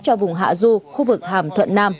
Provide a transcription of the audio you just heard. cho vùng hạ du khu vực hàm thuận nam